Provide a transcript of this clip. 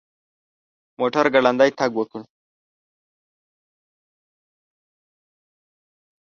موټر ګړندی تګ کوي